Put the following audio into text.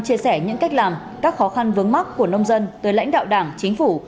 chia sẻ những cách làm các khó khăn vướng mắt của nông dân tới lãnh đạo đảng chính phủ